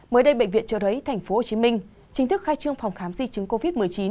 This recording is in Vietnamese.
mới đây bệnh viện trợ rẫy tp hcm chính thức khai trương phòng khám di chứng covid một mươi chín